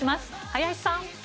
林さん。